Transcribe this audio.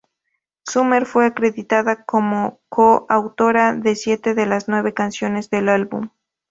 Summer fue acreditada como co-autora de siete de las nueve canciones del álbum.